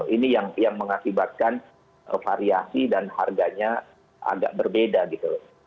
ini yang mengakibatkan variasi dan harganya agak berbeda gitu loh